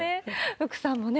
福さんもね。